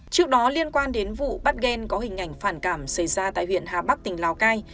trước đó liên quan đến vụ bắt ghen có hình ảnh phản cảm xảy ra tại huyện hà bắc tỉnh lào cai